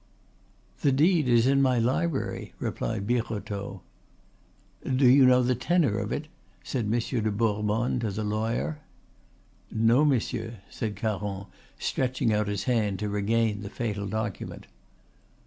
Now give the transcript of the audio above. "The deed is in my library," replied Birotteau. "Do you know the tenor of it?" said Monsieur de Bourbonne to the lawyer. "No, monsieur," said Caron, stretching out his hand to regain the fatal document.